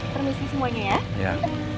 permisi semuanya ya